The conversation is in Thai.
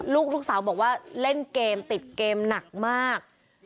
ลูกสาวบอกว่าเล่นเกมติดเกมหนักมาก